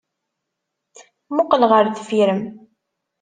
Mmuqqel ɣer deffir-m!